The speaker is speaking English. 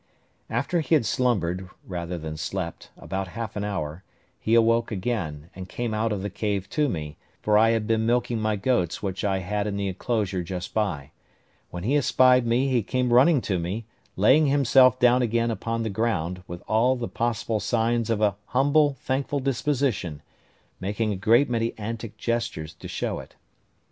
After he had slumbered, rather than slept, about half an hour, he awoke again, and came out of the cave to me, for I had been milking my goats which I had in the enclosure just by: when he espied me he came running to me, laying himself down again upon the ground, with all the possible signs of an humble, thankful disposition, making a great many antic gestures to show it.